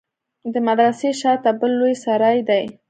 د مدرسې شا ته بل لوى سراى دى.